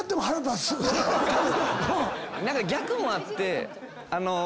何か逆もあって。